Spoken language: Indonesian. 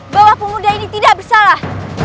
bahwa pemuda ini tidak bersalah